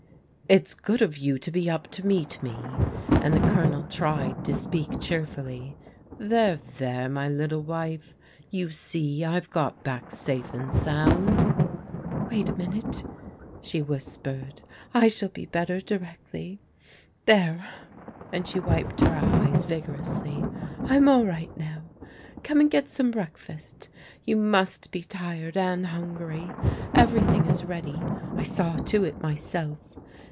" It's good of you to be up to meet me," and the Colonel tried to speak cheerfully. " There, there, my lit tle wife, you see I've got back safe and sound." " Wait a minute," she whispered. " I shall be better directly. There," and she wiped her eyes vigorously, I'm all right now. Come and get some breakfast You must be tired and hungry. Everything is ready. I saw to it myself.